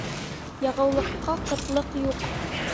Яғыулыҡҡа ҡытлыҡ юҡ.